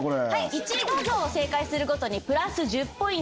１画像正解するごとにプラス１０ポイント。